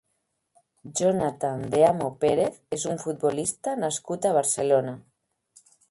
Jonathan de Amo Pérez és un futbolista nascut a Barcelona.